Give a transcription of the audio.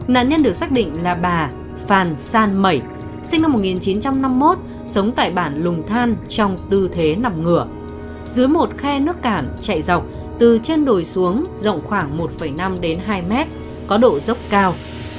nạn nhân được xác định là bà phàn san mẩy sinh năm một nghìn chín trăm năm mươi một sống tại bản lùng than trong tư thế nằm ngửa dưới một khe nước cản chạy dọc từ trên đồi xuống rộng khoảng một năm đến hai mét có độ dốc cao